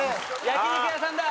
焼き肉屋さんだ！